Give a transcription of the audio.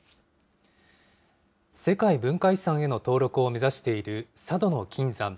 世界文化遺産への登録を目指している佐渡島の金山。